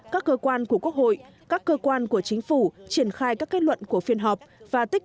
các cơ quan của quốc hội các cơ quan của chính phủ triển khai các kết luận của phiên họp và tích